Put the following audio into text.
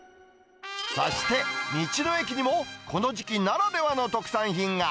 そして、道の駅にも、この時期ならではの特産品が。